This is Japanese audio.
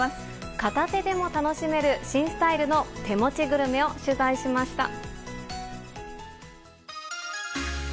片手でも楽しめる新スタイルの手持ちグルメを取材しました。